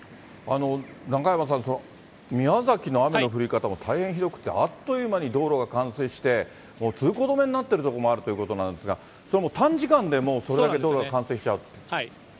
中山さん、宮崎の雨の降り方も大変ひどくて、あっという間に道路が冠水して、もう通行止めになっている所もあるということなんですが、それはもう短時間でそれだけ道路が冠水しちゃうと。